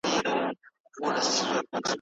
که غوا وای نو موږ به کوچ لرل.